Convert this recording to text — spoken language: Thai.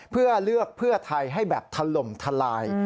เพื่อเลือกเพื่อไทยให้แบบถล่มทลาย